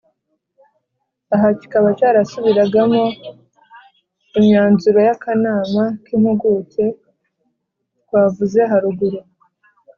aha kikaba cyarasubiragamo imyanzuro y'akanama k'impuguke twavuze haruguru.